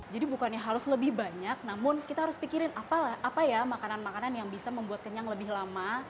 jadi bukannya harus lebih banyak namun kita harus pikirin apa ya makanan makanan yang bisa membuat kenyang lebih lama